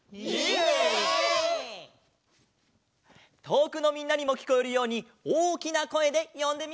とおくのみんなにもきこえるようにおおきなこえでよんでみよう！